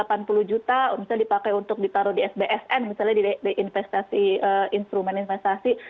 misalnya sudah delapan puluh juta misalnya dipakai untuk ditaruh di sbsn misalnya di investasi instrumen investasi